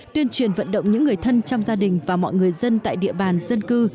tuyên truyền vận động những người thân trong gia đình và mọi người dân tại địa bàn dân cư